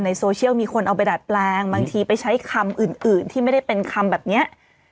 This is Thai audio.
โซเชียลมีคนเอาไปดัดแปลงบางทีไปใช้คำอื่นที่ไม่ได้เป็นคำแบบนี้